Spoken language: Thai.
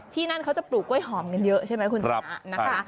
ที่นั่นเขาจะปลูกกล้วยหอมกันเยอะใช่ไหมคุณชนะนะคะ